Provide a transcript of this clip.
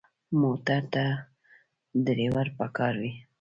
موټر ته ډرېور پکار وي.